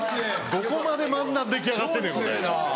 どこまで漫談出来上がってんねんこれ。